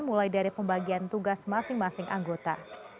mulai dari pembagian tugas masing masing anggota